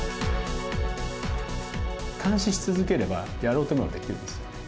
監視し続ければやろうと思えばできるんですよね。